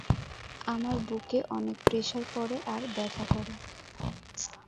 আমার বুকে অনেক প্রেসার পরে আর ব্যথা করে।